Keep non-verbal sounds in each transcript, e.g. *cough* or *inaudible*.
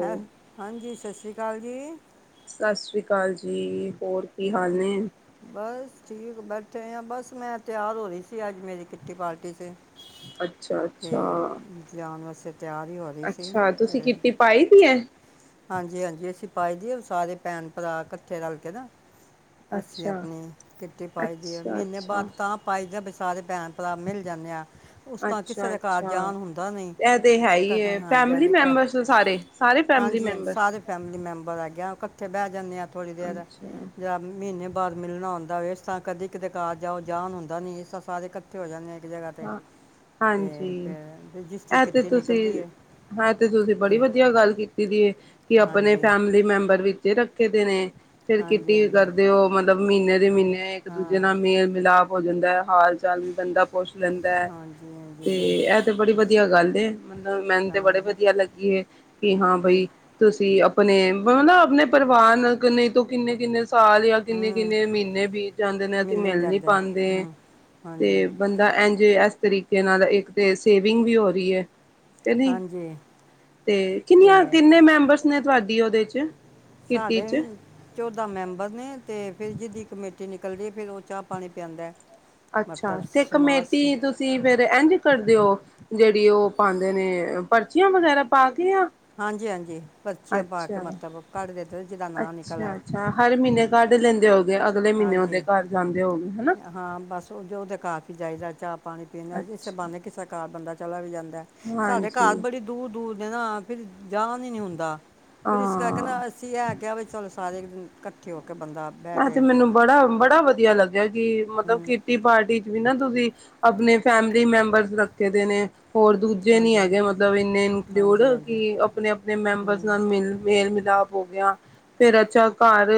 ਹੈਂ? ਹਾਂਜੀ, ਸਤਿ ਸ੍ਰੀ ਅਕਾਲ ਜੀ। ਸਤ ਸ੍ਰੀ਼ ਅਕਾਲ ਜੀ। ਹੋਰ ਕਿ ਹਾਲ ਨੇ? ਬਸ ਠੀਕ, ਬੈਠੇ ਹੋਏ ਆ। ਬਸ ਮੈਂ ਤਿਆਰ ਹੋ ਰਹੀ ਸੀ। ਅੱਜ ਮੇਰੀ ਕਿਟੀ ਪਾਰਟੀ ਸੀ। *inaudible* ਤੇ ਅੱਛਾ-ਅੱਛਾ, ਜਾਣ ਵਾਸਤੇ ਤਿਆਰ ਹੀ ਹੋ ਰਹੀ ਸੀ ਅੱਛਾ! ਤੁਸੀਂ ਕਿੱਟੀ ਪਾਈ ਪੀ ਐ? ਹਾਂਜੀ-ਹਾਂਜੀ, ਅਸੀਂ ਪਏਦੇ ਸਾਰੇ ਭੈਣ -ਭਰਾ ਇਕੱਠੇ ਰਲ ਕੇ ਨਾ। ਅੱਸੀਂ ਅੱਛਾ, ਆਪਣੀ ਕਿੱਟੀ ਪਾਈ ਦੀਏ, ਅੱਛਾ, ਮਹੀਨੇ ਅੱਛਾ, ਬਾਅਦ ਤਾਂ ਪਾਈ ਦੀ ਐ ਬਈ, ਸਾਰੇ ਭੈਣ-ਭਰਾ ਮਿਲ ਜਾਂਣ। ਨੇ ਆ *unintelligible* ਉਸ ਤਰਾਂ ਤਾਂ ਕਿਸੇ ਅੱਛਾ, ਦੇ ਘਰ ਅੱਛਾ। ਜਾਨ ਹੁੰਦਾ ਨਹੀਂ, ਇਹ ਤੇ ਹੈ ਹੀ ਹੈ, ਫੈਮਿਲੀ ਹਾਂਜੀ-ਹਾਂਜੀ। ਮੈਂਬਰਸ ਸਾਰੇ, ਸਾਰੇ ਫੈਮਿਲੀ ਹਾਂਜੀ-ਹਾਂਜੀ, ਮੈਂਬਰ? ਸਾਰੇ ਫੈਮਿਲੀ ਮੈਂਬਰ ਹੈਗੇ ਆ। ਇਕੱਠੇ ਬਹਿ ਜਾਂਣੇ ਆ ਥੋੜੀ ਦੇਰ ਅੱਛਾ, ਯਾਂ ਮਹੀਨੇ ਬਾਹਰ ਮਿਲਣਾ ਹੁੰਦਾ ਏ। ਇਸ ਤਾਂ ਕਦੇ-ਕਦੇ ਕਾਰ ਜਾਓ, ਜਾਣ ਹੁੰਦਾ ਨੀ। ਇਸ ਤਾਂ ਸਾਰੇ ਇਕੱਠੇ ਹੋ ਜਾਂਦੇ ਆ। ਇੱਕ ਜਗ੍ਹਾ 'ਤੇ। ਹਾਂ, ਤੇ ਹਾਂਜੀ, ਫਿਰ ਰਜਿਸਟਰੀ ਇਹ ਤੇ ਕਿੱਟੀ ਤੁਸੀਂ- ਨਿਕਲਦੀ ਹੈ ਇਹ ਤੇ ਤੁਸੀਂ ਬੜੀ ਵਧੀਆ ਗੱਲ ਕੀਤੀ। ਦੀ ਕਿ ਆਪਣੇ ਹਾਂਜੀ ਫੈਮਿਲੀ ਮੈਂਬਰ ਵਿੱਚ ਰੱਖੇ ਦੇ ਨੇ। ਫੇਰ ਹਾਂਜੀ ਕਿੱਟੀ ਹਾਂਜੀ ਕਰਦੇ ਹੋ, ਮਤਲਬ ਮਹੀਨੇ ਦੇ ਮਹੀਨੇ ਇੱਕ ਦੂਜੇ ਹਾਂ ਨਾਲ ਮੇਲ ਮਿਲਾਪ ਹੋ ਜਾਂਦਾ ਐ। ਹਾਲ- ਚਾਲ ਵੀ ਬੰਦਾ ਪੁੱਛ ਲੈਂਦਾ ਐ। ਹਾਂਜੀ ਹਾਂਜੀ ਤੇ ਇਹ ਤੇ ਬੜੀ ਵਧੀਆ ਗੱਲ ਏ, ਮਤਲਬ ਮੈਨੂੰ ਫਿਰ ਤੇ ਬੜੇ ਹਾਂ, ਵਧੀਆ ਲੱਗੀ ਹੈ, ਕਿ ਹਾਂ ਫਿਰ ਬਈ ਤੁਸੀਂ ਆਪਣੇ ਮਤਲਬ, ਆਪਣੇ ਪਰਿਵਾਰ ਕਿੰਨੇ ਤੋਂ ਕਿੰਨੇ-ਕਿੰਨੇ ਸਾਲ ਜਾਂ ਹੂੰ ਕਿੰਨੇ-ਕਿੰਨੇ ਮਹੀਨੇ ਬੀਤ ਜਾਂਦੇ ਨੇ, ਅਸੀਂ ਮਿਲਣ ਮਿਲ ਨਹੀਂ ਜਾਂਦਾ ਪਾਉਂਦੇ ਹੂੰ ਤੇ ਹਾਂਜੀ ਐਂਜ ਇਸ ਤਰੀਕੇ ਨਾਲ ਇੱਕ ਤਾਂ ਸੇਵਿੰਗ ਵੀ ਹੋ ਰਹੀ ਹੈ। ਕ ਨਹੀਂ? ਹਾਂਜੀ ਤੇ ਕਿੰਨੀਆਂ ਕਿੰਨੇ ਮੈਂਬਰਸ ਨੇ ਤੁਹਾਡੀ ਉਹਦੇ 'ਚ? ਕਿੱਟੀ ਸਾਡੇ ਚ ਚੌ ਦਾ ਮੈਂਬਰ ਨੇ ਤੇ ਫਿਰ ਜਿਦੀ ਕਮੇਟੀ ਨਿਕਲਦੀ ਏ। ਫੇਰ ਉਹ ਚਾਹ- ਪਾਣੀ ਪਿਆਦਾ। ਅੱਛਾ! ਤੇ ਕਮੇਟੀ ਤੁਸੀਂ ਫਿਰ ਤੇ ਇੰਝ ਕਦੇ ਓ। ਜਿਹੜੀ ਉਹ ਪਾਉਂਦੇ ਨੇ ਪਰਚੀਆਂ ਵਗੈਰਾ ਪਾ ਕੇ। ਆ ਹਾਂਜੀ-ਹਾਂਜੀ, ਪਰਚੀਆਂ ਪਾ ਕੇ ਮਤਲਬ ਕੱਢਦੇ। ਅੱਛਾ-ਅੱਛਾ, ਹਰ ਮਹੀਨੇ ਕੱਢ ਲੈਂਦੇ ਹੋਗੇ ਅਗਲੇ ਮਹੀਨੇ ਹਾਂਜੀ ਉਹਦੇ ਘਰ ਜਾਂਦੇ ਹੋਗੇ। ਹਨਾ ਹਾਂ, ਬਸ ਉਹ ਜੋ, ਉਹ ਤਾਂ ਕਾਫ਼ੀ ਚਾਹੀਦਾ ਚਾਹ -ਪਾਣੀ ਪੀਣ। ਇਸੇ ਅੱਛਾ ਬਾਣੇ ਕਿਸ ਦੇ ਘਰ ਬੰਦਾ। ਚਲਾ ਵੀ ਜਾਂਦਾ। ਸਾਡੇ ਘਰ ਹਾਂਜੀ ਬੜੀ ਦੂਰ- ਦੂਰ ਦੇ ਨਾ ਫਿਰ ਜਾਨ ਹੀ ਨੀ ਹੁੰਦਾ। ਫਿਰ ਇਸ ਕਰਕੇ ਹਾਂ ਨਾ, ਅਸੀਂ ਇਹ ਕਿਹਾ ਚਲ ਸਾਰੇ ਦਿਨ ਇਕੱਠੇ ਹੋ। ਕੇ ਬੰਦਾ ਬਹਿ ਆ ਤੇ ਕੇ ਮੈਨੂੰ ਬੜਾ, ਬੜਾ ਵਧੀਆ ਲੱਗਿਆ ਕਿ, ਮਤਲਬ ਹੂੰ ਕੀਟੀ ਪਾਰਟੀ। ਵੀ ਨਾ, ਤੁਸੀਂ ਆਪਣੇ ਫੈਮਿਲੀ ਮੈਂਬਰਸ ਰੱਖੇ ਦੇ ਨੇ। ਹੋਰ ਦੂਜੇ ਨੀ ਹਾਂਜੀ ਹੈਗੇ, ਮਤਲਬ ਇੰਨੇ ਇਨਕਲੂਡ ਹਾਂਜੀ ਹਾਂਜੀ ਕਿ ਆਪਣੇ- ਆਪਣੇ ਮੈਂਬਰਸ ਹੂੰ ਨਾਲ ਮਿਲ ਮੇਲ- ਮ ਹੋ ਗਿਆ ਫੇਰ ਅੱਛਾ ਘਰ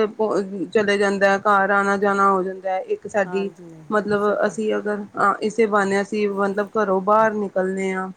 ਚਲੇ ਜਾਂਦਾ ਹੈ। ਘਰ ਆਣਾ -ਜਾਣਾ ਹੋ ਜਾਂਦਾ। ਇੱਕ ਸਾਡੀ ਹਾਂਜੀ ਮਤਲਬ ਇਸ ਪਰ ਅਸੀਂ ਅਗਰ ਅਹ! ਇਸੇ ਬਹਾਨੇ ਅਸੀਂ ਮਤਲਬ ਘਰੋਂ ਬਾਹਰ ਨਿਕਲਦੇ ਹਾਂ।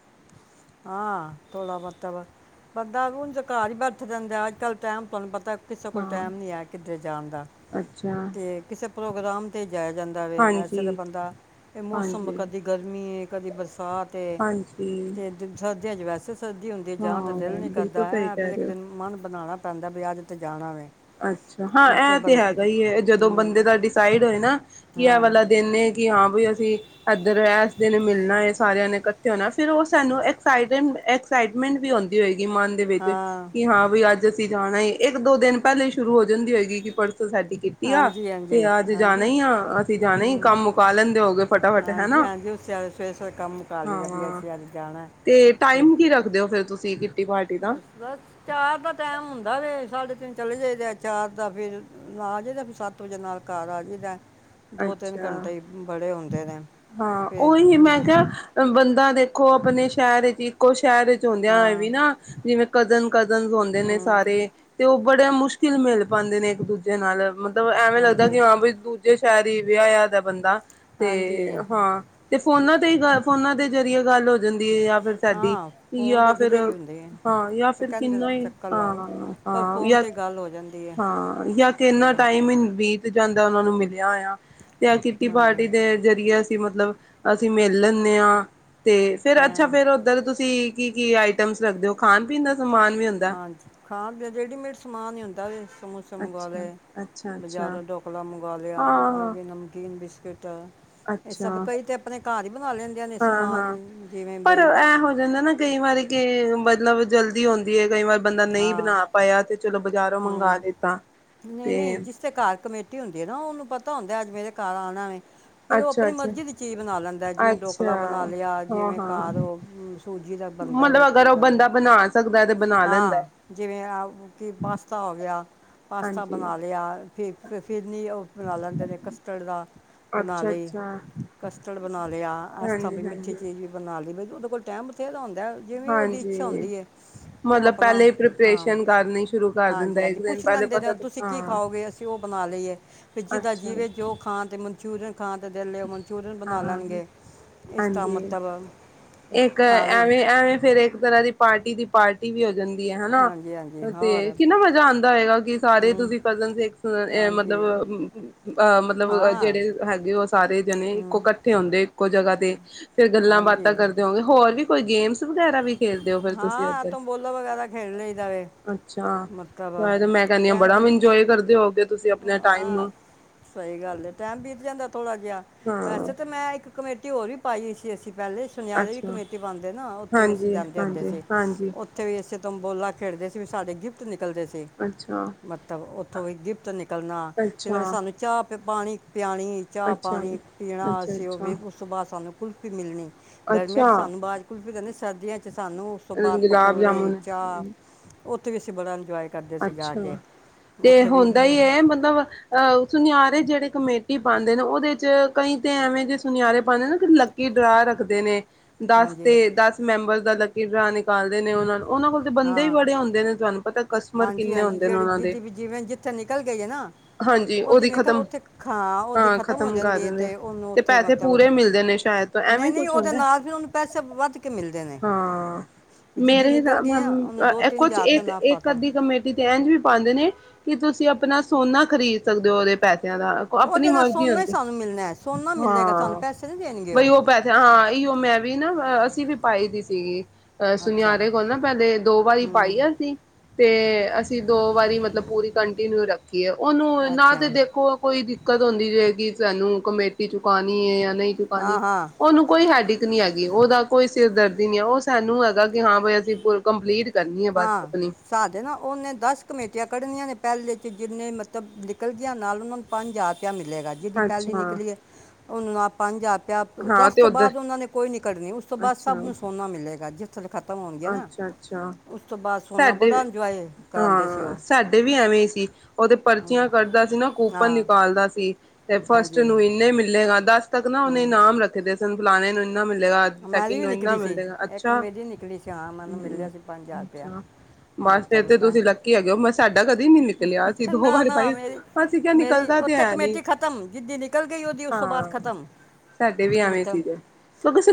ਹਾਂ ਤੋਲਾ ਮਤਬ *unintelligible* ਬੰਦਾ ਹੁਣ ਘਰ ਹੀ ਬੈਠ ਦਿੰਦਾ ਅੱਜ -ਕੱਲ ਟਾਈਮ ਤੁਹਾਨੂੰ ਪਤਾ। ਕਿਸੇ ਕੋਲ ਹਾਂ ਟਾਈਮ ਨਹੀ ਆ ਕਿੱਧਰ ਜਾਣ ਦਾ। ਅੱਛਾ ਤੇ ਕਿਸੇ ਪ੍ਰੋਗਰਾਮ ਤੇ ਜਾਇਆ ਜਾਂਦਾ ਵੇ। ਵੈਸੇ ਤੇ ਹਾਂਜੀ ਬੰਦਾ ਇਹ ਮੌਸਮ ਹਾਂਜੀ ਕਦੀ ਗਰਮੀ ਹੈ, ਕਦੀ ਬਰਸਾਤ‌ ਹੈ। ਹਾਂਜੀ ਅਤੇ ਸਰਦੀਆਂ 'ਚ ਵੈਸੇ ਸਰਦੀ ਹੁੰਦੀ ਜਾਣ ਤਾਂ ਹਾਂ ਦਿਲ ਨਹੀਂ ਬਿਲਕੁਲ ਕਰਦਾ ਸਹੀ ਹੈ ਫਿਰ ਕਹਿ ਇੱਕ ਰਹੇ ਹੋ ਦਿਨ ਮਨ ਬਣਾਉਣਾ। ਵੀ ਅੱਜ ਤੇ ਜਾਣਾ ਵੇ *unintelligible* ਅੱਛਾ! ਹਾਂ, ਉਂਝ ਇਹ ਤੇ ਬੰਦ ਹੈਗਾ ਹੀ ਜਦੋਂ ਹੂੰ ਬੰਦੇ ਦਾ ਡਿਸਾਈਡ ਹੋਏ ਨਾ ਕਿ ਇਹ ਹਾਂ ਵਾਲਾ ਦਿਨ ਐ ਕਿ ਹਾਂ ਬਈ ਅਸੀਂ। ਏਸ ਦਿਨ ਮਿਲਣਾ ਹੈ। ਸਾਰਿਆਂ ਨੇ ਇਕੱਠੇ ਹੋਣਾ ਫਿਰ ਉਹ ਸਾਨੂੰ ਐਕਸਾਇਡ ਐਕਸਾਈਟਮੈਂਟ ਹੁੰਦੀ ਹੋਏਗੀ। ਮਨ ਦੇ ਵਿੱਚ ਹਾਂ ਕਿ ਹਾਂ ਵੀ ਅੱਜ ਅਸੀਂ ਜਾਣਾ ਇੱਕ- ਦੋ ਦਿਨ ਪਹਿਲੇ ਸ਼ੁਰੂ ਹੋ ਜਾਂਦੀ ਹੋਏਗੀ ਕਿ ਪਰਸੋ ਅੱਜ ਸਾਡੀ ਕਿਟੀ ਕੀਤੀ ਆ ਹਾਂਜੀ ਤੇ ਹਾਂਜੀ ਅੱਜ ਜਾਣਾ ਹਾਂਜੀ ਹੀ ਆ, ਅਸੀਂ ਜਾਣਾ ਹੀ ਹੂੰ ਕੰਮ ਮੁਕਾ ਲੈਂਦੇ ਹੋ ਗਏ ਫਟਾਫਟ ਹਨਾ। ਹਾਂਜੀ ਹਾਂਜੀ, ਉਸ ਸਵੇਰੇ- ਸਵੇਰੇ ਕੰਮ ਮੁਕਾ ਲਈਏ ਦਾ ਕਿ ਹਾਂ ਅਸੀਂ ਅੱਜ ਜਾਣਾ ਹੈ। ਤੇ ਟਾਈਮ ਕਿ ਰੱਖਦੇ ਹੋ ਫਿਰ ਤੁਸੀਂ? ਕਿੱਟੀ ਪਾਰਟੀ ਦਾ ਬਸ ਚਾਰ ਦਾ ਟੈਮ ਹੁੰਦਾ ਵੇ, ਸਾਡੇ ਤਿੰਨ ਚਲੇ ਜਾਈਦਾ ਚਾਰ ਦਾ ਫੇਰ ਨਾ ਆ ਜਾਈਦਾ ਫਿਰ ਸੱਤ ਵਜੇ ਨਾਲ ਘਰ ਆ ਜਾਈਦਾ। ਦੋ ਤਿੰਨ ਅੱਛਾ ਘੰਟੇ ਹੀ ਬੜੇ ਹੁੰਦੇ ਨੇ। ਹਾਂ ਫਿਰ ਉਹੀ ਮੈਂ ਜੀ ਕਿਹਾ ਬੰਦਾ ਦੇਖੋ ਆਪਣੇ ਸ਼ਹਿਰ ਵਿੱਚ ਇੱਕੋ ਸ਼ਹਿਰ ਵਿੱਚ ਹੁੰਦਿਆਂ ਹੋਇਆਂ ਹਾਂ ਵੀ ਨਾ ਜਿਵੇਂ ਕਜ਼ਨ ਕਜ਼ਨ ਹੁੰਦੇ ਨੇ ਹੂੰ ਸਾਰੇ ਤੇ ਉਹ ਬੜੇ ਮੁਸ਼ਕਿਲ ਮਿਲ ਪਾਦੇ ਨੇ ਇੱਕ ਦੂਜੇ ਨਾਲ ਮਤਲਬ ਐਵੇਂ ਲੱਗਦਾ ਹਾਂਜੀ ਕਿ ਹਾਂ ਬਈ ਦੂਜੇ ਸ਼ਹਿਰ ਹੀ ਵਿਆਹਿਆ ਦਾ ਬੰਦਾ ਤੇ ਹਾਂਜੀ ਹਾਂ। ਤੇ ਫੋਨਾਂ ਤੇ ਹੀ ਗੱਲ ਫੋਨਾਂ ਦੇ ਜ਼ਰੀਏ ਗੱਲ ਹੋ ਜਾਂਦੀ ਹੈ। ਫਿਰ ਸਾਡੀ ਹਾਂ ਫੋਨ ਜਾਂ ਤੇ ਫਿਰ ਜਿਹੜੇ ਹੀ ਹੁੰਦੇ ਆ ਹਾਂ ਜਾਂ ਤੇ ਫਿਰ ਕਹਿੰਦੇ ਕਿੰਨਾ ਹੀ ਚੱਕਰ ਲਾਓ ਹਾਂ ਪਰ ਹਾਂ ਫੋਨ ਯਾ ਤੇ ਗੱਲ ਹੋ ਜਾਂਦੀ ਹੈ ਹਾਂ ਜਾਂ ਤੇ ਕਿੰਨਾ ਟਾਈਮ ਵੀ ਜਾਂਦਾ ਉਹਨਾਂ ਨੂੰ ਮਿਲਿਆ ਹੋਇਆ ਤੇ ਕਿੱਟੀ ਹਾਂ ਜੀ, ਪਾਰਟੀ ਦੇ ਜਰੀਏ ਮਤਲਬ ਅਸੀਂ ਮਿਲ ਲੈਂਦੇ ਹਾਂ ਤੇ ਫੇਰ ਅੱਛਾ ਹਾਂ ਫੇਰ ਉੱਧਰ ਤੁਸੀਂ ਕੀ ਕੀ ਆਈਟਮ ਰੱਖਦੇ ਹੋ ਖਾਣ ਪੀਣ ਦਾ ਸਮਾਨ ਵੀ ਹੁੰਦਾ ਹਾਂਜੀ ਖਾਣ ਪੀਣ ਰੇਡੀਮੇਡ ਸਮਾਨ ਹੀ ਹੁੰਦਾ ਸਮੋਸੇ‌ ਅੱਛਾ ਅੱਛਾ। ਅੱਛਾ ਬਜ਼ਾਰੋਂ ਢੋਕਲਾ ਮੰਗਵਾ ਲਿਆ ਹਾਂ ਹਾਂ ਨਮਕੀਨ ਬਿਸਕੁਟ ਇਹ ਸਭ ਅੱਛਾ ਕਈ ਤੇ ਆਪਣੇ ਘਰ ਹੀ ਬਣਾ ਲੈਂਦੇ ਨੇ ਹਾਂ ਸਮਾਨ ਹਾਂ ਜਿਵੇਂ ਪਰ ਬਈ ਇਹ ਹੋ ਜਾਂਦਾ ਨਾ ਕਈ ਵਾਰੀ ਕਿ ਬਚੇ ਮਤਲਬ ਜਲਦੀ ਹੁੰਦੀ ਹੈ ਕਈ ਵਾਰ ਬੰਦਾ ਨਹੀਂ ਹਾਂ ਬਣਾ ਪਾਇਆ ਤੇ ਚਲੋ ਬਾਜ਼ਾਰੋਂ ਮੰਗਵਾ ਹੂੰ ਲਿੱਤਾ ਨਹੀਂ ਤੇ ਨਹੀਂ ਜਿਸ ਤੇ ਘਰ ਕਮੇਟੀ ਹੁੰਦੀ ਆ ਨਾ ਉਹਨੂੰ ਪਤਾ ਪਤਾ ਹੁੰਦਾ ਅੱਜ ਮੇਰੇ ਘਰ ਆਣਾ ਹੈ। ਫਿਰ ਉਹ ਅੱਛਾ ਆਪਣੀ ਅੱਛਾ ਮਰਜ਼ੀ ਦੀ ਚੀਜ਼ ਬਣਾ ਲੈਂਦਾ ਜਿਵੇਂ ਡੋਕਲਾ ਅੱਛਾ ਬਣਾ ਲਿਆ ਹਾਂ ਜਿਵੇਂ ਹਾਂ ਘਰ ਸੂਜ਼ੀ ਮਤਲਬ ਅਗਰ ਉਹ ਬੰਦਾ ਬਣਾ ਸਕਦਾ ਤੇ ਬਣਾ ਲੈਂਦਾ ਹਾਂ ਹੈ। ਜਿਵੇਂ ਕਿ ਪਾਸਤਾ ਹੋ ਗਿਆ। ਪਾਸਤਾ ਹਾਂਜੀ ਬਣਾ ਲਿਆ ਫੇਰ ਫਿਰ ਨੀ ਉਹ ਬਣਾ ਲੈਂਦੇ ਨੇ ਕਸਟਰਡ ਦਾ ਬਣਾ ਅੱਛਾ ਲਈ ਅੱਛਾ। ਕਸਟਡ ਬਣਾ ਲਿਆ ਐਸ ਤਾਂ ਹਾਂਜੀ ਮਿੱਠੀ ਹਾਂਜੀ ਚੀਜ਼ ਵੀ ਬਣਾ ਲਈ ਬਈ ਉਹਦੇ ਕੋਲ ਟੈਮ ਬਥੇਰਾ ਹੁੰਦਾ। ਜਿਵੇਂ ਉਹਦੀ ਇੱਛਾ ਹਾਂਜੀ ਹੁੰਦੀ ਹੈ। ਉਹ ਮਤਲਬ ਆਪਣਾ ਪਹਿਲੇ ਹੀ ਹਾਂ ਪ੍ਰੀਪਰੇਸ਼ਨ ਕਰਨੀ ਸ਼ੁਰੂ ਕਰ ਹਾਂਜੀ ਦਿੰਦਾ ਹਾਂਜੀ ਇੱਕ ਦਿਨ ਪੁੱਛ ਪਹਿਲੇ ਲੈਂਦੇ ਨੇ ਪਤਾ ਤੁਸੀਂ ਕੀ ਹਾਂ ਖਾਓਗੇ ਉਹ ਬਣਾ ਲਈਏ ਫਿਰ ਜਿਦਾ ਅੱਛਾ ਜੀਵੇ ਜੋ ਖਾਣ ਤੇ ਮਨਚੂਰੀਅਨ ਖਾਂ ਦੇ ਦਿਲ ਉਹ ਮਨਚੂਰੀਅਨ ਬਣਾ ਹਾਂ ਲੈਣਗੇ ਇਸਦਾ ਹਾਂਜੀ ਮਤਲਬ ਇੱਕ ਖਾ ਲਈ ਐਵੇਂ ਐਵੇਂ ਫੇਰ ਇੱਕ ਤਰ੍ਹਾਂ ਦੀ ਪਾਰਟੀ ਦੀ ਪਾਰਟੀ ਵੀ ਹੋ ਜਾਂਦੀ ਹੈ ਹਨਾ। ਹਾਂਜੀ ਹਾਂਜੀ ਤੇ ਹੋਰ ਕਿੰਨਾ ਮਜ਼ਾ ਆਦਾ ਹੈਗਾ ਕਿ ਸਾਰੇ ਹੂੰ ਤੁਸੀਂ ਕਜ਼ਨ ਮਤਲਬ ਹਾਂਜੀ ਮਤਲਬ, ਜਿਹੜੇ ਹੈਗੇ ਉਹ ਸਾਰੇ ਜਣੇ, ਇੱਕੋ ਇਕੱਠੇ ਹੁੰਦੇ, ਇੱਕੋ ਜਗ੍ਹਾ ਤੇ। ਫੇਰ ਗੱਲਾਂ ਬਾਤਾਂ ਕਰਦੇ ਹੋਗੇ। ਹੋਰ ਵੀ ਕੋਈ ਗੇਮਸ ਵਗੈਰਾ ਵੀ ਖੇਲਦੇ ਹੋ ਫਿਰ ਤੁਸੀਂ ਓਧਰ। ਅੱਛਾ, ਤੇ ਮੈਂ ਕਹਿੰਦੀ ਹਾਂ ਬੜਾ ਵੀ ਇੰਜੋਏ ਕਰਦੇ ਹੋਗੇ ਤੁਸੀਂ ਆਪਣੇ ਟਾਈਮ ਹਾਂ, ਨੂੰ ਸਹੀ ਗੱਲ ਹੈ। ਟੈਮ ਬੀਤ ਜਾਂਦਾ ਥੋੜਾ ਜਿਹਾ। ਹਾਂ ਵੈਸੇ ਤਾਂ ਮੈਂ ਇੱਕ ਕਮੇਟੀ ਹੋਰ ਵੀ ਪਾਈ ਸੀ ਅਸੀਂ। ਪਹਿਲੇ ਸੁਨਿਆਰੀ ਵੀ ਅੱਛਾ ਕਮੇਟੀ ਪਾਂਦੇ ਹੈ ਨਾ। ਉੱਥੇ ਵੀ ਅਸੀਂ ਹਾਂਜੀ ਜਾਂਦੇ ਹੁੰਦੇ ਹਾਂਜੀ ਸੀ। ਹਾਂਜੀ ਉੱਥੇ ਵੀ ਅਸੀਂ ਤੰਬੋਲਾ ਖੇਡਦੇ ਸੀ। ਸਾਡੇ ਗਿਫਟ ਨਿਕਲਦੇ ਸੀ। ਅੱਛਾ ਮਤਲਬ ਉੱਥੋਂ ਵੀ ਗਿਫਟ ਨਿਕਲ ਨਿਕਲਣਾ। ਫਿਰ, ਉਹਨੇ ਅੱਛਾ ਸਾਨੂੰ ਚਾਹ ਤੇ ਪਾਣੀ ਪਿਆਣੀ। ਚਾਹ ਅੱਛਾ, ਪਾਣੀ ਪੀਣਾ, ਸਿ ਉਹ ਵੀ ਅੱਛਾ-ਅੱਛਾ, ਉਸ ਤੋਂ ਬਾਅਦ ਸਾਨੂੰ ਕੁਲਫੀ ਮਿਲਣੀ। ਗਰਮੀਆਂ ਚ ਅੱਛਾ ਸਾਨੂੰ, ਬਾਜ਼ ਕੁਲਫੀ ਤੇ ਸਰਦੀਆਂ ਚ ਤੇ ਸਾਨੂੰ, ਉਸ ਤੋਂ ਬਾਅਦ ਗੁਲਾਬ ਪਕੌੜੇ, ਜਾਮੁਨ ਚਾਹ ਉਥੇ ਵੀ ਅਸੀਂ ਬੜਾ ਇੰਜੋਏ ਕਰਦੇ ਸੀ ਜਾ ਅੱਛਾ। ਕੇ ਤੇ ਉੱਥੇ ਵੀ ਹੁੰਦਾ ਮ- ਹੀ ਹੈ, ਮਤਲਬ ਮਤਲਬ ਅਹ, ਸੁਨਿਆਰੇ ਜਿਹੜੇ ਕਮੇਟੀ ਪਾਦੇ ਨੇ। ਉਹਦੇ ਚ ਕਈ ਤਾਂ ਐਵੇਂ ਜਿਹੇ ਸੁਨਿਆਰੇ ਪਾਦੇ ਨਾ ਲੱਕੀ ਡਰਾ ਰੱਖਦੇ ਨੇ। ਦਸ ਹਾਂਜੀ ਤੇ, ਦਸ ਮੈਂਬਰ ਦਾ ਲੱਕੀ ਡਰਾ ਨਿਕਾਲਦੇ ਨੇ। ਉਹਨਾਂ ਨੂੰ ਉਹ ਕੋਲ ਤਾਂ ਬੰਦੇ ਹੀ ਹਾਂ ਬੜੇ ਆਦੇ ਨੇ। ਤੁਹਾਨੂੰ ਪਤਾ ਕਸਟਮਰ ਹਾਂਜੀ। ਕਿੰਨੇ ਹਾਂਜੀ। ਹੁੰਦੇ ਨੇ ਜਿਹੜੀ ਉਹਨਾਂ ਦੇ ਜਿਦੀ ਵੀ, ਜਿਵੇਂ ਜਿੱਥੇ ਨਿਕਲ ਗਈ ਹੈ ਨਾ ਹਾਂਜੀ ਉਹ ਦੀ ਉਹਦੀ ਵੇਕ ਖ਼ਤਮ ਉੱਥੇ ਹਾਂ ਉਹ ਦੀ ਖਤਮ ਹੋ ਖ਼ਤਮ ਕਰ ਜਾਂਦੀ ਹ ਦਿੰਦੇ ਤੇ ਉਹਨੂੰ ਤੇ ਉੱਥੇ ਪੈਸੇ ਮਤਲਬ ਪੂਰੇ ਮਿਲਦੇ ਨੇ ਸ਼ਾਇਦ ਤੋਂ ਨਹੀਂ! ਐਵੇਂ ਨਹੀਂ! ਕੁਛ ਉਹਦੇ ਹੁੰਦਾ ਨਾਲ ਦੇ ਉਹਨੂੰ ਪੈਸੇ ਵੱਧ ਕੇ ਮਿਲਦੇ ਨੇ। ਹਾਂ ਜਿੱਦਾਂ ਮੇਰੇ ਨਿਕਲ ਗਏ ਆ। ਉਹਨੂੰ ਦੋ ਤਿੰਨ ਹਜ਼ਾਰ ਨਾਲ ਕਦੀ ਕਮੇਟੀ ਤੇ ਇਂਝ ਵੀ ਪਾਉਂਦੇ ਨੇ, ਕਿ ਤੁਸੀਂ ਆਪਣਾ ਸੋਨਾ ਖਰੀਦ ਸਕਦੇ ਹੋ ਉਹਦੇ ਪੈਸੇ ਦਾ ਦਾ ਆਪਣੀ ਉਹਦੇ ਨਾਲ ਮਰਜ਼ੀ ਸੋਨਾ ਹੀ ਆਉਂਦੀ। ਸਾਨੂੰ ਮਿਲਣਾ ਹੈ ਸੋਨਾ ਮਿਲੇਗਾ ਸਾਨੂੰ ਹਾਂ! ਪੈਸੇ ਨਹੀਂ ਦੇਣਗੇ ਬਈ ਉਹ ਪੈਸੇ ਹਾਂ, ਇਓ ਮੈਂ ਵੀ ਨਾ, ਅਸੀਂ ਵੀ ਪਾਈ ਦੀ ਸੀਗੀ ਅਹ ਅੱਛਾ ਸੁਨਿਆਰੇ ਕੋਲ ਨਾ, ਪਹਿਲੇ ਦੋ ਵਾਰੀ ਪਾਈ ਹੂੰ ਆ ਅਸੀਂ। ਤੇ, ਅਸੀਂ ਦੋ ਵਾਰੀ, ਮਤਲਬ ਪੂਰੀ ਕੰਟੀਨਿਊ ਰੱਖੀ। ਉਹਨੂੰ, ਨਾ ਅੱਛਾ ਤੇ ਦੇਖੋ ਕੋਈ ਦਿੱਕਤ ਹੁੰਦੀ ਜਾਏਗੀ। ਸਾਨੂੰ ਕਮੇਟੀ ਚੁਕਾਉਣੀ ਹੈ ਜਾਂ ਨਹੀਂ ਪਾਉਣੀ ਹਾਂ ਹਾਂ ਉਹਨੂੰ ਕੋਈ ਹੀਡੈਕ ਨਹੀਂ ਹੈਗੀ। ਉਹਦਾ ਕੋਈ ਸਿਰ ਦਰਦੀ ਹੀ ਨਹੀਂ ਹੈ। ਉਹ ਸਾਨੂੰ ਹੈਗਾ ਕਿ ਹਾਂ ਬਈ ਅਸੀਂ ਕੰਪਲੀਟ ਕਰਨੀ ਆ ਬੱਸ ਆਪਣੀ ਦੇ ਨਾ, ਉਹਨੇ ਦਸ ਕਮੇਟੀਆਂ ਕੱਢਣੀਆਂ ਨੇ ਪਹਿਲੇ 'ਚ ਜਿੰਨੇ ਮਤਲਬ, ਨਿਕਲਦੀਆਂ ਨਾਲ ਉਹਨਾਂ ਨੂੰ ਪੰਜ ਹਜ਼ਾਰ ਮਿਲੇਗਾ। ਜਿਹਦੀ ਪਹਿਲੀ ਅੱਛਾ ਨਿਕਲੀਏ ਹੈ, ਉਨ੍ਹ ਨੂੰ ਪੰਜ ਹਾਂ ਦਸ ਤੇ ਤੋਂ ਉੱਧਰ ਬਾਅਦ ਉਹਨਾਂ ਨੇ ਕੋਈ ਨੀ ਕੱਢਣੀ। ਉਸ ਤੋਂ ਬਾਅਦ ਅੱਛਾ ਸਭ ਨੂੰ ਸੋਨਾ ਮਿਲੇਗਾ। ਜਿੱਥ ਅੱਛਾ! ਅੱਛਾ! ਸੋਨਾ ਸਾਡੇ, ਬੜਾ ਇੰਜੋਏ ਕਰਾਉਂਦੇ ਸੀ ਹਾਂ ਉਹ ਸਾਡੇ ਵੀ ਐਵੇਂ ਸੀ। ਓਹ ਤੇ ਪਰਚੀਆਂ ਕੱਢਦਾ ਸੀ। ਨਾ ਕੂਪਨ ਹਾਂ ਨਿਕਾਲਦਾ ਸੀ। ਤੇ ਫਸਟ ਹਾਂਜੀ ਨੂੰ ਇੰਨੇ ਮਿਲੇਗਾ। ਦਸ ਤੱਕ ਨਾ ਉਹਨੇ ਹੂੰ ਇਨਾਮ ਰੱਖੇ ਦੇ ਸਨ। ਫਲਾਣੇ ਨੂੰ ਇ ਮਿਲੇਗਾ। ਮੇਰੀ ਸੈਕਿੰਡ ਵੀ ਨੂੰ ਇੰਨਾ ਨਿਕਲੀ ਸੀ ਮਿਲੇਗਾ। ਇੱਕ ਅੱਛਾ! ਮੇਰੀ ਨਿਕਲੀ ਸੀ ਹਾਂ ਮੈਨੂੰ ਹਮ। ਮਿਲਿਆ ਸੀ ਰੁਪਇਆ ਅੱਛ। ਮਸ- ਮਤਲਬ ਤੇ ਮੈਂ ਤੁਸੀਂ ਲੱਕੀ ਆਗੇ ਹੋ। ਮੈਂ ਸਾਡਾ ਕਦੇ ਨੀ ਨਿਕਲਿਆ। ਅਸੀਂ ਦੋ ਨਾ ਵਾਰੀ ਨਾ ਪਾਈ। ਮੇਰੀ ਅਸੀਂ ਕਿਹਾ! ਮੇਰੀ ਨਿਕਲਦਾ ਤੇ ਉੱਥੇ ਹੈਆ ਨੀ। ਕਮੇਟੀ ਖਤਮ ਜਿੱਦੀ ਨਿਕਲ ਗਈ ਉਹਦੀ ਉਸ ਤੋਂ ਹਾਂ! ਬਾਅਦ ਖਤਮ ! ਸਾਡੇ ਵੀ ਆਵੇਂ ਮਤਲਬ ਸੀਗੇ।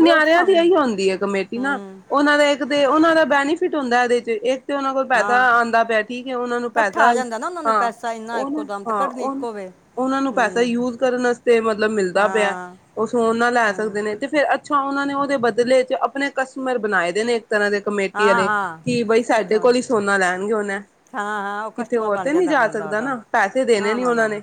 ਵਿਰੋਧ ਦੀ ਸਾਨੂੰ ਇਹੀ ਆਉਂਦੀ ਹੈ। ਕਮੇਟੀ ਨਾ ਹੂੰ ਉਹਨਾਂ ਦਾ ਇਕ ਤੇ ਬੈਨੀਫਿਟ, ਇੱਕ ਤੇ ਉਹਨਾਂ ਦਾ ਬੈਨੀਫਿਟ ਹੁੰਦਾ ਇਹਦੇ ਚ ਤੇ ਉਹਨਾਂ ਕੋਲ ਪੈਸਾ ਹਾਂ ਆਉਂਦਾ ਪਿਆ, ਠੀਕ ਹੈ। ਉਹਨਾਂ ਨੂੰ ਇਕੱਠਾ ਪੈਸਾ, ਆ ਜਾਂਦਾ ਨਾ ਉਹਨਾਂ ਨੂੰ ਹਾਂ ਪੈਸਾ ਇੰਨਾ ਉਹ ਇੱਕੋ ਨਾ, ਦਮ ਤੇ ਹਾਂ। ਕੱਢਣੀ ਉਹ ਇੱਕੋ ਵੇ ਉਹਨਾਂ ਨੂੰ ਪੈਸਾ ਹੂੰ ਯੂਜ ਕਰਨ ਵਾਸਤੇ, ਮਤਲਬ ਮਿਲਦਾ ਪਿਆ। ਹਾਂ ਉਹ ਸੋਨਾ ਲੈ ਹਾਂ, ਸਕਦੇ ਨੇ ਤੇ ਫੇਰ ਪਿੱਛਾ ਉਹਨਾਂ ਨੇ ਉਹਦੇ ਬਦਲੇ ਚ ਆਪਣੇ ਕਸਟਮਰ ਬਣਾਏ ਦੇ ਨੇ। ਇਸ ਤਰ੍ਹਾਂ ਦੇ ਕਮੇਟੀ ਹਾਂ ਵਾਲੇ, ਹਾਂ ਕਿ ਬਈ ਸਾਡੇ ਕਸਟਮਰ ਕੋਲ ਹੀ ਸੋਨਾ ਲੈਣਗੇ ਹੁਣ ਐ। ਹਾਂ ਹਾਂ ਉਹ ਕਿਤੇੇ ਕਸਟਮਰ ਹੋਰ ਬਣ ਤੇ ਨੀ ਜਾਂਦਾ ਜਾ ਬੰਦਾ ਸਕਦਾ ਉਹਦਾ ਨਾ। ਪੈਸੇ ਦੇਣੇ ਨਾ ਨੀ ਨਾ ਨਾ ਉਹਨਾਂ ਨੇ।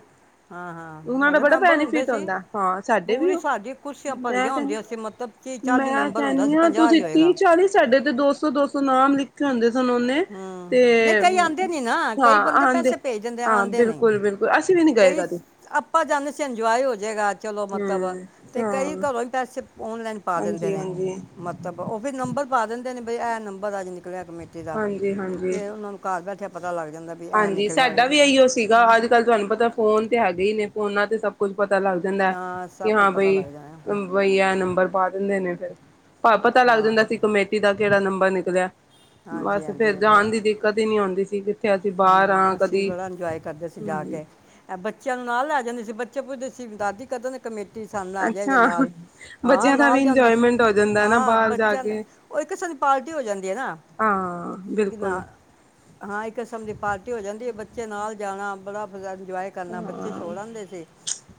ਹਾਂ ਹਾਂ ਉਹਨਾਂ ਦਾ ਬੜੇ ਬੜਾ ਮੈਂਬਰ ਹੁੰਦੇ ਬੈਨੀਫਿਟ ਸੀ ਆਉਂਦਾ ਐ। ਹਾ! ਸਾਡੇ ਵੀ ਪੂਰੀ ਉਹ, ਸਾਡੀ ਕੁਰਸੀਆਂ ਮੈਂ ਭਰੀਆਂ ਕਹਿੰਦੀ ਹੁੰਦੀਆਂ ਸੀ ਮਤਲਬ ਕਿ ਮੈਂ ਮੈਂਬਰ ਹੁੰਦਾ ਸੀ ਕਹਿੰਦੀ ਹ, ਤੁਸੀਂ ਹੀ ਹੋਏਗਾ ਤੀਹ ਚਾਲੀ ਸਾਡੇ ਤੇ ਦੋ ਸੌ ਦੋ ਸੌ ਨਾਮ ਲਿਖੇ ਹੁੰਦੇ ਸੀ। ਉਹਨੇ। ਹੂੰ ਤੇ, ਨਹੀਂ ਕਈ ਆਂਦੇ ਨਹੀਂ ਨਾ ਹਾਂ ਕਈ ਬੰਦੇ ਪੈਸੇ ਭੇਜ ਦਿੰਦੇ ਹਾਂ! ਆਂਦੇ ਨਹੀਂ ਬਿਲਕੁਲ! ਬਿਲਕੁਲ! ਅਸੀਂ ਵੀ ਨੀ ਗਏ ਕਈ, ਕਦੇ ਆਪਾਂ ਜਾਂਦੇ ਸੀ, ਇੰਜੋਏ ਹੋਜਏਗਾ। ਚਲੋ, ਮਤਲਬ ਹਮ ਤੇ ਕਈ ਹਾਂ ਘਰੋਂ ਈ ਪੈਸੇ ਔਨਲੈਨ ਪਾ ਦਿੰਦੇ ਹਾਂਜੀ ਨੇ। ਹਾਂਜੀ ਮਤਲਬ, ਔ ਫਿਰ ਨੰਬਰ ਪਾ ਦਿੰਦੇ ਨੇ ਬਈ ਏ ਨੰਬਰ ਅਜ ਨ ਨਿਕਲਆ ਕਮੇਟੀ ਦਾ ਤੇ ਹਾਂਜੀ। ਫਿਰ ਉਹਨਾਂ ਨੂੰ ਘਰ ਬੈਠਿਆ ਪਤਾ ਲੱਗ ਜਾਂਦਾ ਵੀ ਇਹ ਹਾਂਜੀ, ਨਿਕਲਿਆ ਸਾਡਾ ਵੇ ਵੀ ਅਈਯੋ ਸੀਗਾ। ਅੱਜ ਕੱਲ੍ਹ ਤੁਆਨੂੰ ਪਤਾ, ਫੋਨ ਤੇ ਹੈਗੇ ਈ ਨੇ ਫੋਨਾਂ, ਤੇ ਸਭ ਕੁੱਝ ਪਤਾ ਲੱਗ ਜਾਂਦਾ ਏ ਹਾਂ ਕਿ, ਸਭ ਕੁਝ ਹਾਂ ਪਤਾ ਬਈ, ਲੱਗ ਜਾਣਾ ਬਈ ੲ ਨੰਬਰ ਪਾ ਦਿੰਦੇ ਨੇ ਫੇਰ। ਹਾ ਪਤਾ ਲੱਗ ਹਾਂ ਜਾਂਦਾ ਸੀ, ਕਮੇਟੀ ਦਾ ਕੇੜਾ ਨੰਬਰ ਨਿਕਲਿਆ। ਹਾਂਜੀ ਬਸ ਫੇਰ ਹਾਂਜੀ ਬੜਾ ਜਾਣ ਦੀ ਦਿੱਕਤ ਈ ਨੀ ਆਂਦੀ ਸੀ। ਅਸੀਂ ਬਾਹਰ ਹਾਂ ਅਸੀਂ ਕਦੀ ਬੜਾ ਇੰਜੋਏ ਕਰਦੇ ਸੀ। ਜਾ ਹਮ ਕੇ ਬੱਚੇਆਂ ਨੂੰ ਨਾਲ ਲੈ ਜਾਂਦੇ ਸੀ। ਬੱਚੇ ਪੁੱਛਦੇ ਸੀ, ਦਾਦੀ ਕਦਨ ਕਮੇਟੀ ਸਨ ਲੈ ਜਯਾ ਜੇ ਅੱਛਾ ਨਾਲ। ਹਾਂ, ਬੱਚਿਆਂ ਦਾ ਵੀ ਨਾਲ ਜਾਂਦੇ ਇੰਜੋਏਮੈਂਟ ਹੋ ਜਾਂਦਾ ਨਾ ਹਾਂ ਬਾਹਰ ਜਾ ਬੱਚੇਆਂ ਨੇ ਕੇ ਔ ਇੱਕ ਪਾਰਟੀ ਹੋ ਜਾਂਦੀ ਏ ਨਾ। ਹਾਂ, ਕਿ ਨਾ ਬਿਲਕੁਲ। ਹਾਂ, ਇੱਕ ਕਿਸਮ ਦੀ ਪਾਰਟੀ ਹੋ ਜਾਂਦੀ ਹੈ। ਬੱਚੇ ਨਾਲ ਜਾਣਾ ਬੜਾ ਫ ਇੰਜੋਏ ਕਰਨਾ ਬੱਚੇ ਹਾਂ ਛੋੜ ਆਂਦੇ ਸੀ।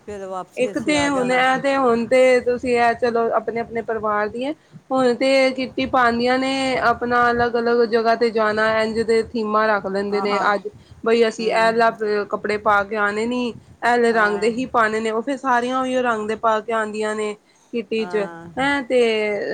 ਫੇਰ ਇੱਕ ਤੇ ਹੁਣ ਐ, ਤੇ ਹੁਣ, ਤੇ ਤੁਸੀਂ ਐ ਚਲੋ। ਆਪਣੇ ਆਪਣੇ ਪਰਿਵਾਰ ਦੀੇਏ, ਹੁਣ ਤੇ ਕਿਟੀ ਪਾਂਦੀਆਂ ਨੇ। ਅਪਣਾ ਅਲੱਗ ਅਲੱਗ ਜਗ੍ਹਾ ਤੇ ਜਾ ਏੰਝ ਦੇ ਥੀਮਾਂ ਰੱਖ ਲੈਂਦੇ ਹਾਂ ਨੇ। ਹਾਂ ਅੱਜ, ਬਈ, ਅਸੀਂ ਹੂੰ ਏਲਾ ਕੱਪੜੇ ਪਾ ਕੇ ਆਣੇ ਨੀ, ਏਲੇ ਰੰਗ ਦੇ ਹਾਂ ਹੀ ਪਾਣੇ ਨੇ। ਔ ਫੇਰ ਸਾਰੀਆਂ ਔਈਯੋ ਰੰਗ ਦੇ ਪਾ ਕੇ ਆਦੀਂਆਂ ਨੇ। ਕਿਟੀ ਚ ਹਾਂ ਹੈਂ, ਤੇ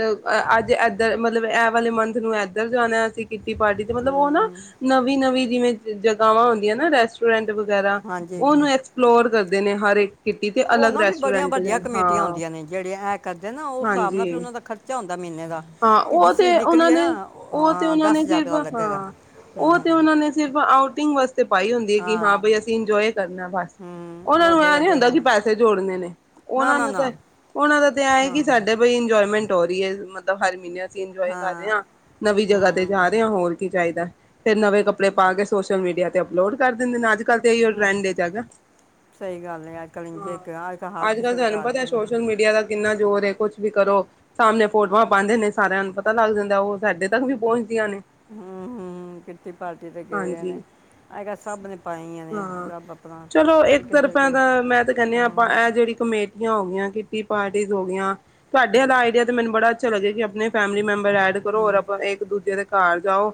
ਅ ਅੱਜ ਏਧਰ ਮਤਲਬ, ਏਹ ਵਾਲੇ ਮੰਥ ਨੂੰ ਏਧਰ ਜਾਣਾ ਅਸੀ ਕਿੱਟੀ ਪਾਰਟੀ, ਤੇ ਮਤਲਬ, ਔ ਨਾ ਹੂੰ ਨਵੀਂ-ਨਵੀਂ ਜੀਵੇ ਜਗਾਂਵਾ ਹੁੰਦੀਆਂ ਨਾ ਰੈਸਟੋਰੈਂਟ ਵਗੈਰਾ। ਹਾਂਜੀ ਔਨੂੰ ਐਕਸਪਲੋਰ ਕਰਦੇ ਨੇ, ਹਰ ਇੱਕ ਕਿੱਟੀ ਤੇ ਉਹ ਅਲੱਗ ਨਾ ਵੀ ਬੜੀਆਂ ਰੈਸਟੋਰੈਂਟ, ਵੱਡੀਆਂ ਕਮੇਟੀਆਂ ਹਾਂ ਹੁੰਦੀਆਂ ਨੇ ਜਿਹੜੇ ਐ ਕਰਦੇ ਨਾ ਉਸ ਹਿਸਾਬ ਨਾਲ ਫਿਰ ਹਾਂਜੀ। ਉਹਨਾਂ ਦਾ ਖਰਚਾ ਹੁੰਦਾ ਮਹੀਨੇ ਦਾ ਹਾਂ, ਕਿ ਔ ਜਿਸ ਦੀ ਤੇ ਔਨਾਂ ਨਿਕਲੀ ਹੈ ਨੇ, ਨਾ ਉਹ- ਔ ਤੇ ਹਾਂ ਔਨਾਂ ਨੇ ਰੁਪਏ ਸਿਰਫ ਦਾ ਲੱਗੇਗਾ ਹਾਂ। ਔ ਤੇ ਹੂੰ ਔਨਾਂ ਨੇ ਸਿਰਫ ਆਊਟ ਸ ਪਾਈ ਹੁੰਦੀ ਏ ਕਿ, ਹਾਂ ਬਈ, ਅਸੀਂ ਇੰਜੋਏ ਕਰਨਾ ਬਸ। ਹੂੰ ਔਨਾਂ ਨੂੰ ਵੱਡੇ ਐ ਨੀ ਵੱਡੇ ਹੁੰਦਾ ਹੋ ਕਿ ਪੈਸੇ ਜੋੜਨੇ ਨੇ। ਨਾ ਔਨਾਂ ਨਾ ਦਾ ਤਾਂ ਨਾ ਔਨਾਂ ਦਾ ਤੇ ਐ ਏ ਨਾ ਕਿ, ਸਾਡੇ ਬਈ ਇੰਜੋਏਮੈਂਟ ਹੋ ਰੀ ਏ। ਮਤਲਬ, ਹਰ ਮੀਨੇ ਅਸੀਂ ਇੰਜੋਏ ਕਰ ਰੇ ਹਾਂ ਆਂ, ਨਵੀ ਜਗ੍ਹਾ ਤੇ ਹੂੰ ਜਾ ਰੇ ਆਂ ਹੋਰ। ਕੀ ਚਾਈਦਾ। ਫਿਰ ਨਵੇਂ ਕੱਪੜੇ ਪਾ ਕੇ ਸੋਸ਼ਲ ਮੀਡੀਆ ਤੇ ਅਪਲੋਡ ਕਰ ਦਿੰਦੇ। ਅੱਜ-ਕੱਲ ਤੇ ਅਈਯੋ ਟਰੈੰਡ ਚ ਹੈਗਾ। ਸਹੀ ਗੱਲ ਹੈ ਅੱਜ ਕੱਲ੍ਹ ਇੰਜੇ ਹਾਂ, ਹਰ ਇੱਕ ਅੱਜ ਕੱਲ੍ਹ ਹਰ ਕਿਸੇ ਅੱਜ-ਕੱਲ੍ਹ ਦੇ ਤੁਹਾਨੂੰ ਘਰ ਪਤਾ ਚ ੲ, ਨਾ- ਸੋਸ਼ਲ ਮੀਡੀਆ ਦਾ ਕਿੰਨਾ ਜ਼ੋਰ ਏ! ਕੁੱਛ ਵੀ ਕਰੋ, ਸਾਮਣੇ ਫੋਟੋਆਂ ਪਾਂਦੇ ਨੇ। ਸਾਰਿਆਂ ਨੂੰ ਪਤਾ ਲੱਗ ਜਾਂਦਾ, ਉਹ ਸਾਡੇ ਤੱਕ ਵੀ ਪਹੁੰਚ ਹੂੰ-ਹੂੰ, ਕਿੱਟੀ ਪਾਰਟੀ ਤੇ ਗਏ ਏ ਨੇ। ਹਾਂਜੀ ਅਜ-ਕੱਲ੍ਹ ਸਭ ਨੇ ਪਾਈ ਆਂ ਨੇ ਹਾਂ ਸਭ ਆਪਣਾ ਚਲੋ ਕੋ ਇੱਕ ਕਿੱਧਰ ਤਰਫਾ ਕੇ ਤਾਂ ਮੈਂ ਤਾਂ ਕਹਿੰਦੀ ਹਾਂ ਆਪਾਂ ਹੂੰ। ਇਹ ਜਿਹੜੀ ਕਮੇਟੀਆਂ ਹੋ ਗਇਆ ਕਿਟੀ ਪਾਰਟੀਸ ਹੋ ਗਈਆਂ। ਤਵਾਡੇ ਅਲਾ ਆਈਡੀਆ ਤੇ ਮੈਨੂੰ ਬੜਾ ਅੱਛਾ ਲੱਗਿਆ ਕਿ ਅਪਣੇ ਫੈਮਲੀ ਮੈ ਐਡ ਕਰੋ, ਔਰ ਹੂੰ ਅਪਾਂ ਇੱਕ-ਦੂਜੇ ਦੇ ਕਾਰ ਜਾਓ।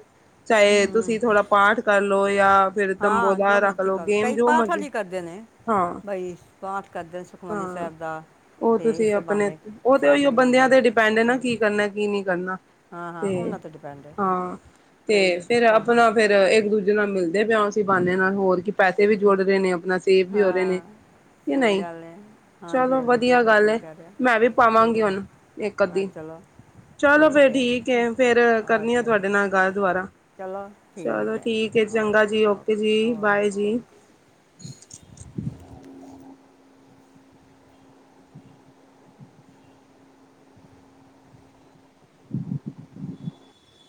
ਚਾਏ ਹੂੰ ਤੁਸੀਂ ਥੋੜਾ ਪਾਠ ਕਰਲੋ ਯਾਂ ਫਿਰ ਹਾਂ ਤੰਬੋਲਾ ਜੋ ਰੱਖ ਮਰਜ਼ੀ ਲੋ, ਕਰ ਗੇਮ ਕਈ ਜੋ ਪਾਠ ਮਰਜ਼ੀ ਵਾਲੀ ਕਰਦੇ ਨੇ ਹਾਂ ਬਈ, ਪਾਠ ਕਰਦੇ ਸੁਖਮਨੀ ਸਾਹਿਬ ਦਾ। ਔ, ਅਤੇ ਤੁਸੀਂ ਇਸੇ ਅਪਣੇ ਬਹਾਨੇ ਔ, ਤੇ ਸਾਰੇ ਔਈਯੋ ਬੰਦਿਆਂ ਮੈਂਬਰ ਤੇ ਡਿਪੈਂਡ ਏ ਨਾ, ਪਹੁੰਚਦੇ ਕੀ ਕਰਨਾ, ਕੀ ਨੀ ਕਰਨਾ। ਹਾਂ ਹਾਂ ਤੇ ਉਹਨਾਂ ਡਿਪੈਂਡ ਹੈ ਹਾਂ, ਤੇ ਕਈ ਫੇਰ ਪਾ ਅਪਣਾ, ਫੇਰ ਇੱਕ-ਦੂਜੇ ਨਾਲ ਮਿਲਦੇ ਪਏ ਆਂ, ਇਸੀਂ ਬੰਹਾਨੇ ਨਾਲ। ਹੋਰ ਕੀ, ਪੈਸੇ ਵੀ ਜੋੜ ਰਹੇ ਨੇ, ਅਪਣਾ ਸੇਫ ਵੀ ਹੋ ਰਹੇ ਨੇ। ਹਾਂ ਕਿ ਸਹੀ ਨਈ? ਗੱਲ ਹੈ ਹਾਂਜੀ ਚਲੋ ਹਾਂਜੀ ਵਧੀਆ ਬਿਲਕੁਲ ਗੱਲ ਠੀਕ ਏ। ਕਹਿ ਰਹੇ ਹੋ ਮੈਂ ਵੀ ਪਾਵਾਂਗੀ ਬਿਲਕੁਲ ਹੂਨ ਏਕ। ਹਾਂ ਚਲੋ। ਚਲੋ ਫੇਰ, ਠੀਕ ਏ। ਫੇਰ ਕਰਨੀ ਆ ਅੱਛਾ ਤੁਆਡੇ ਨਾਲ ਗੱਲ ਦੋਵਾਰਾ ਚਲੋ ਠੀਕ ਏ। ਜੀ ਓਕੇ ਔਕੇ-ਔਕੇ-ਔਕੇ। *unintelligible*